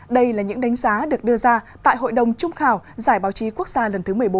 đây là những đánh giá được đưa ra tại hội đồng trung khảo giải báo chí quốc gia lần thứ một mươi bốn